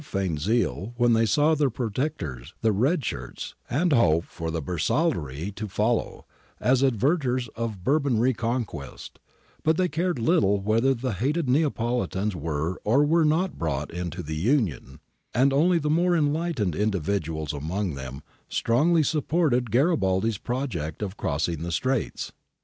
GARIBALDI AND THE SICILIANS 55 feigned zeal when they saw their protectors, the red shirts, and hoped for the Bersaglieri to follow, as averters of Bourbon reconquest ; but they cared little whether the hated Neapolitans were or were not brought into the Union, and only the more enlightened individuals among them strongly supported Garibaldi's project of crossing the Straits.